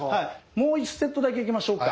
もう１セットだけいきましょうか。